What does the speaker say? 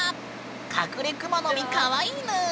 カクレクマノミかわいいぬーん。